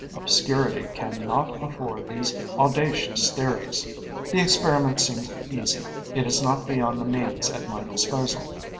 Obscurity cannot afford these audacious theories. The experiment seems easy; it is not beyond the means at my disposal.